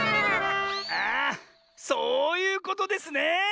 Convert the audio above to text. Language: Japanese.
あそういうことですね。